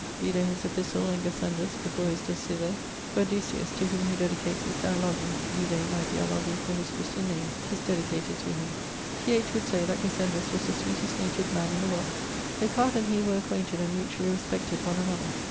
vide his epistle and Gassendus's before his De Cive. ... Verdusius, to whom he dedicates his ... Dialogi (vide my Dialogi for his Christian name 'tis dedicated to him). T. H. would say that Gassendus was the sweetest natured man in the world. Des Cartes and he were acquainted and mutually respected one another.